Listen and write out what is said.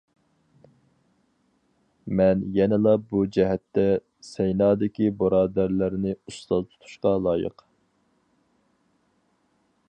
مەن يەنىلا بۇ جەھەتتە سەينادىكى بۇرادەرلەرنى ئۇستاز تۇتۇشقا لايىق.